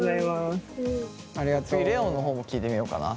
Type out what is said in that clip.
次レオンの方も聞いてみようかな。